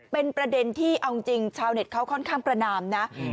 เป็นประเด็นที่เอาจริงชาวเน็ตเขาค่อนข้างประนามนะ